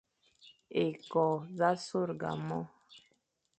Ékô z a sôrga môr,